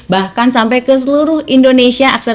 bahkan sampai ke seluruh indonesia akses